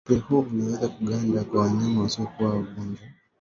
upele huo unaweza kuganda kwa wanyama wasiokuwa wagonjwa